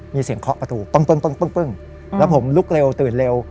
มีเสียงเคาะประตูปึ้งแล้วผมลุกเร็วตื่นเร็ว